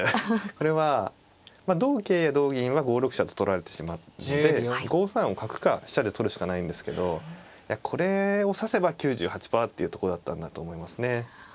これは同桂同銀は５六飛車と取られてしまうので５三を角か飛車で取るしかないんですけどこれを指せば９８％っていうとこだったんだと思いますね。